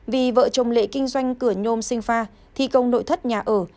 vì vợ chồng lệ kinh doanh cửa nhôm sinh pha thi công nội thất nhà ở